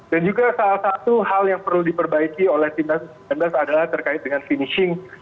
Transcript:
dan juga salah satu hal yang perlu diperbaiki oleh timnas dua ribu sembilan belas adalah terkait dengan finishing